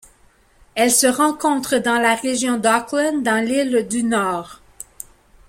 Elle se rencontre dans la région d'Auckland dans l'île du Nord.